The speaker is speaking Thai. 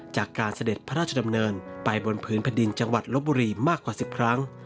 เสด็จพระราชดำเนินไปบนพื้นแผ่นดินจังหวัดลบบุรีมากกว่า๑๐ครั้ง